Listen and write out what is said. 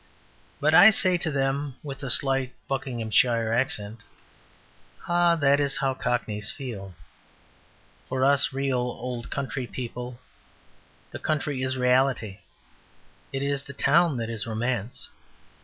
But I say to them (with a slight Buckinghamshire accent), "Ah, that is how Cockneys feel. For us real old country people the country is reality; it is the town that is romance.